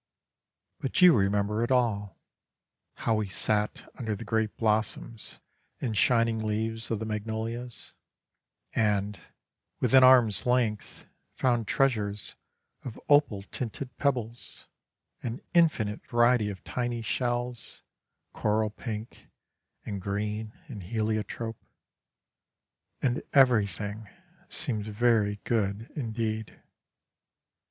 But you remember it all: how we sat under the great blossoms and shining leaves of the magnolias, and, within arm's length, found treasures of opal tinted pebbles, and infinite variety of tiny shells, coral pink and green and heliotrope, and everything seemed very good indeed.